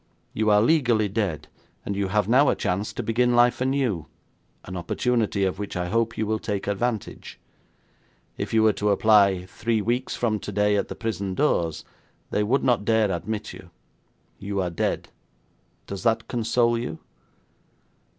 You are legally dead, and you have now a chance to begin life anew, an opportunity of which I hope you will take advantage. If you were to apply three weeks from today at the prison doors, they would not dare admit you. You are dead. Does that console you?'